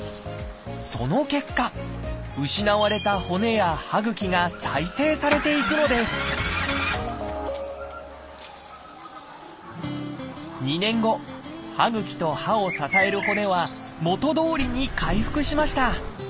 その結果失われた骨や歯ぐきが再生されていくのです２年後歯ぐきと歯を支える骨は元どおりに回復しました。